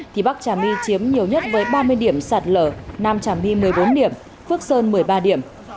thì bắc trà my chiếm nhiều nhất với ba mươi điểm sạt lở nam trà my một mươi bốn điểm phước sơn một mươi ba điểm